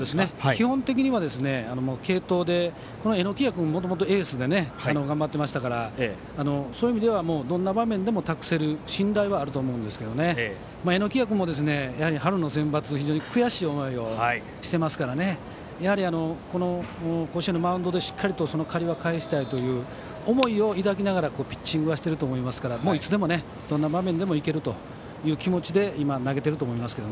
基本的には継投で榎谷君はもともとエースで頑張っていましたからそういう意味ではどんな場面でも託せる信頼はあると思うんですが榎谷君も春のセンバツで非常に悔しい思いしていますからやはり、この甲子園のマウンドでしっかりとその借りは返したいという思いを抱きながらピッチングをしていると思いますからいつでも、どんな場面でもいけるという気持ちで今、投げていると思います。